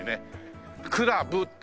「クラブ」って。